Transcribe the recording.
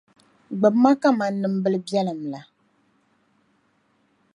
Gbibi ma kaman nimbili biɛlim la.